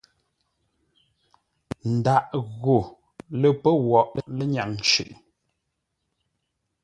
Ndaʼ gho lə́ pə́ woghʼ lənyâŋ shʉʼʉ.